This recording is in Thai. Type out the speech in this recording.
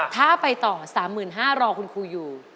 ถ้าไปต่อ๓๕๐๐รอคุณครูอยู่